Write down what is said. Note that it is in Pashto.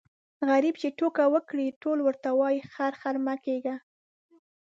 غريب چي ټوکه وکړي ټول ورته وايي خر خر مه کېږه.